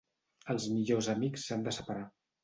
Els millors amics s'han de separar.